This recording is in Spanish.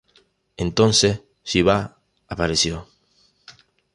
Entonces Shivá apareció.